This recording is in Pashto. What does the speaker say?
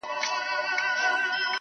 o د ميني درد.